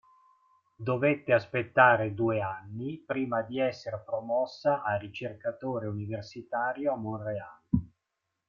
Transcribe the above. Dovette aspettare due anni prima di esser promossa a Ricercatore Universitario a Montréal.